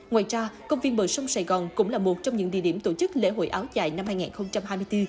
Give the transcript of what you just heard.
ngoài ra công viên bờ sông sài gòn cũng là một trong những địa điểm tổ chức lễ hội áo dài năm hai nghìn hai mươi bốn